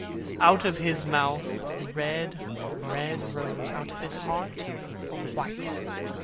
Out of his mouth a red, red rose! Out of his heart a white!